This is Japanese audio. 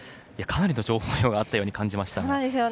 かなりの情報量があったように感じました。